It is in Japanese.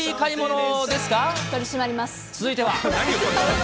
続いては。